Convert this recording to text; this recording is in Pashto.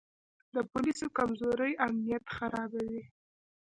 د پولیسو کمزوري امنیت خرابوي.